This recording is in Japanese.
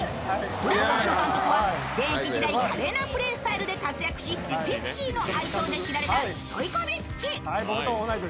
グランパスの監督は現役時代華麗なプレースタイルで活躍しピクシーの愛称で知られたストイコビッチ。